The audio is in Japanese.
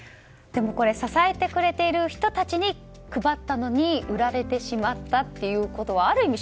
でも、これ支えてくれている人たちに配ったのに売られてしまったということはある意味